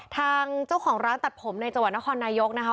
ทางเจ้าของร้านตัดผมในจังหวัดนครนายกนะคะ